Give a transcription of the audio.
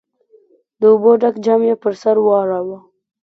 د اوبو ډک جام يې پر سر واړاوه.